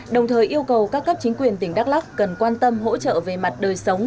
đồng thời yêu cầu các cấp chính quyền tỉnh đắk lắc cần quan tâm hỗ trợ về mặt đời sống